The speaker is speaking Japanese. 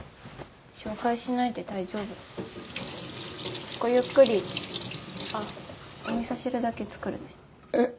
紹介しないで大丈夫ごゆっくりあっおみそ汁だけ作るねえっ？